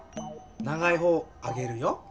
長い方あげるよ。